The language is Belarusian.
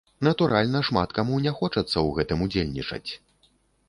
Натуральна шмат каму не хочацца ў гэтым удзельнічаць.